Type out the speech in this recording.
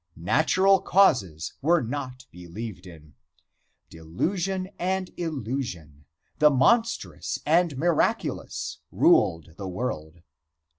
Natural causes were not believed in. Delusion and illusion, the monstrous and miraculous, ruled the world.